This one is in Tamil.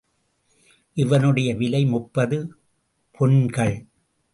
இவனுடைய விலை முப்பது பொன்கள்!